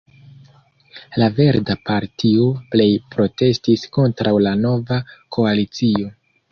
La Verda Partio plej protestis kontraŭ la nova koalicio.